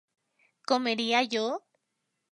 ¿comería yo?